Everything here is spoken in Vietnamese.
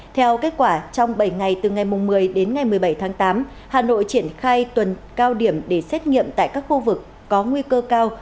theo kết quả trong bảy ngày từ ngày một mươi đến ngày một mươi bảy tháng tám hà nội triển khai tuần cao điểm để xét nghiệm tại các khu vực có nguy cơ cao